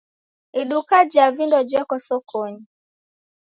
Iduka ja vindo jeko sokonyi.